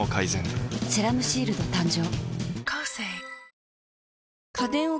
「セラムシールド」誕生